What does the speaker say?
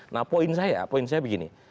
nah poin saya begini